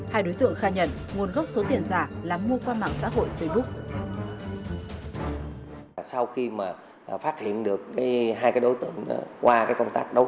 hai đối tượng khai nhận nguồn gốc số tiền giả là mua qua mạng xã hội facebook